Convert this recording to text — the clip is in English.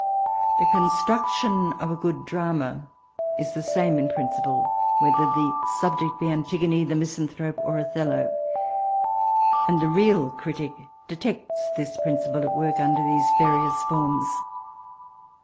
The constroction of a good drama is the ^me in prin ciple whether the subject be Anti gone, the Misanthrope, or Othello; and the real critic detects this prin ciple at work under these various forms.